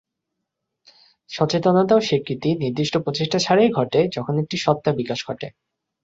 সচেতনতা এবং স্বীকৃতি নির্দিষ্ট প্রচেষ্টা ছাড়াই ঘটে যখন একটি সত্তা বিকাশ করে।